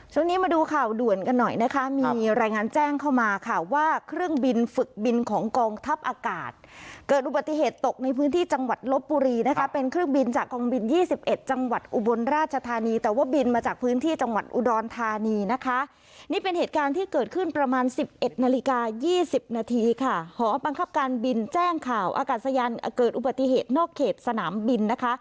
ช่วงนี้มาดูข่าวด่วนกันหน่อยนะคะมีรายงานแจ้งเข้ามาค่ะว่าเครื่องบินฝึกบินของกองทัพอากาศเกิดอุบัติเหตุตกในพื้นที่จังหวัดลบปุรีนะคะเป็นเครื่องบินจากกองบินยี่สิบเอ็ดจังหวัดอุบลราชธานีแต่ว่าบินมาจากพื้นที่จังหวัดอุดรธานีนะคะนี่เป็นเหตุการณ์ที่เกิดขึ้นประมาณสิบเอ็ดนาฬิกายี่